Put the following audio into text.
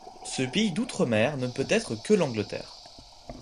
Ce pays d'Outre-Mer ne peut être que l'Angleterre.